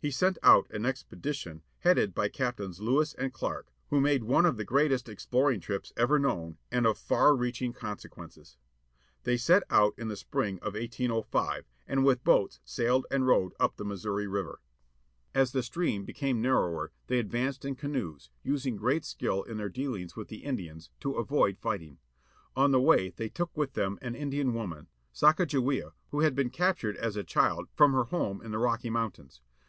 He sent out an expedition headed by Cap tains Lewis and Clark, who made one of the greatest exploring trips ever known, and of far reaching consequences. They set out in the spring of 1805, and rowed up the Missouri River. 27 sailed DANIEL BOCWI 28 LEWIS AND CLARK EXPEDITION, 1805 As the stream became narrower they advanced in canoes, using great skill in their dealings with the Indians, to avoid fighting. On the way they took with them an Indian woman, Sacajawea, who had been captured as a child, from her home in the Rocky Mountains.